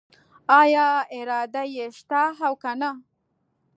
آیا اراده یې شته او کنه؟